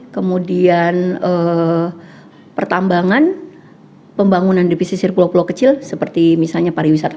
kemudian pertambangan pembangunan depisi sirkulo pulau kecil seperti misalnya pariwisata